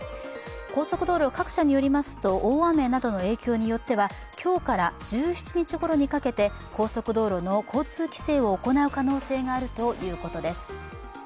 高速道路各社によりますと大雨などの影響によっては今日から１７日ごろにかけて、高速道路の交通規制を行う可能性があるということです。